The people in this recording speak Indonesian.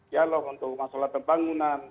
dialog untuk masalah pembangunan